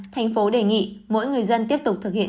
tp đề nghị mỗi người dân tiếp tục thực hiện